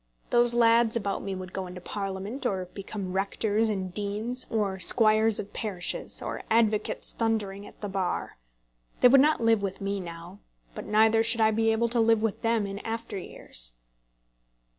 Those lads about me would go into Parliament, or become rectors and deans, or squires of parishes, or advocates thundering at the Bar. They would not live with me now, but neither should I be able to live with them in after years.